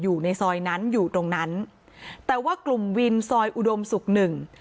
อยู่ในซอยนั้นอยู่ตรงนั้นแต่ว่ากลุ่มวินซอยอุดมศุกร์หนึ่ง